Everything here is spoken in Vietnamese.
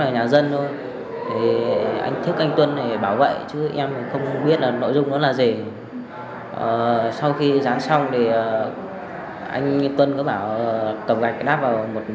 nhà dân thôi em không biết là nhà ai cả